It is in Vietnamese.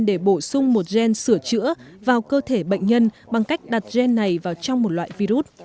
để bổ sung một gen sửa chữa vào cơ thể bệnh nhân bằng cách đặt gen này vào trong một loại virus